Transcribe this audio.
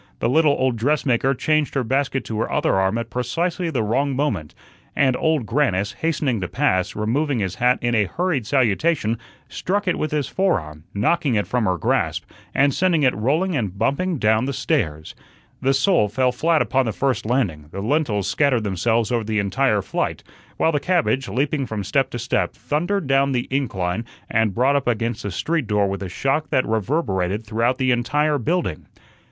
The little old dressmaker changed her basket to her other arm at precisely the wrong moment, and Old Grannis, hastening to pass, removing his hat in a hurried salutation, struck it with his fore arm, knocking it from her grasp, and sending it rolling and bumping down the stairs. The sole fell flat upon the first landing; the lentils scattered themselves over the entire flight; while the cabbage, leaping from step to step, thundered down the incline and brought up against the street door with a shock that reverberated through the entire building.